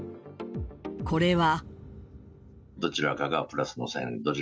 これは。